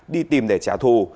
đi tìm để trả thù